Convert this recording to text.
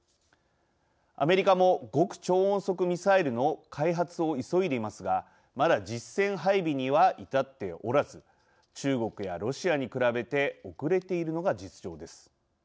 アメリカも極超音速ミサイルの開発を急いでいますがまだ実戦配備には至っておらず中国やロシアに比べて遅れているのが実情です。